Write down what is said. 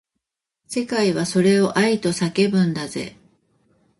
世界はそれを愛と呼ぶんだぜ